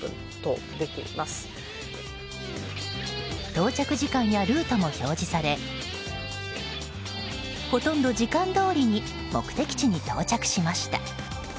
到着時間やルートも表示されほとんど時間どおりに目的地に到着しました。